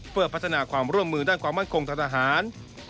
เพื่อพัฒนาความร่วมมือด้านความมั่นคงทางทหาร